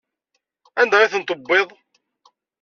Anda ay ten-tebbiḍ?